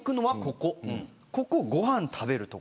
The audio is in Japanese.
ここは、ご飯を食べる所。